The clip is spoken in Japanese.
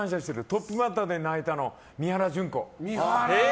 トップバッターで泣いたの三原じゅん子。